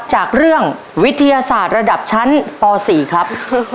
จากเรื่องวิทยาศาสตร์ระดับชั้นป๔ครับ